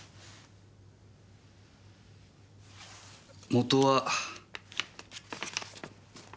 元は。